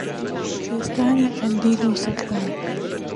کوێستانی قەندیل و سەکران